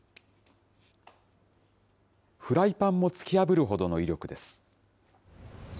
フライパンも突き破るほどの威力です。